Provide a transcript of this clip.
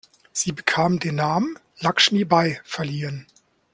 Sie bekam den Namen Lakshmi Bai verliehen.